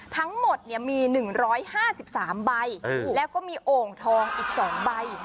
ทั้งหมดมี๑๕๓ใบแล้วก็มีโอ่งทองอีก๒ใบ